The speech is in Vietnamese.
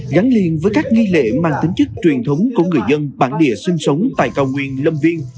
gắn liền với các nghi lễ mang tính chức truyền thống của người dân bản địa sinh sống tại cao nguyên lâm viên